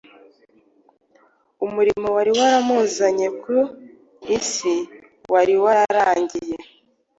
Umurimo wari waramuzanye kuri iyi si wari wararangiye.